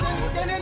jangan yang ini